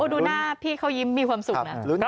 ดูหน้าพี่เขายิ้มมีความสุขนะ